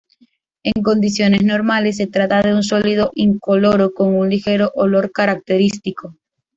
En condiciones normales se trata de un sólido incoloro con un ligero olor característico.